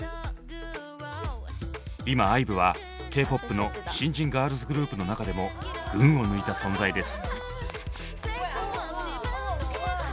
今ＩＶＥはＫーＰＯＰの新人ガールズグループの中でも群を抜いた存在です。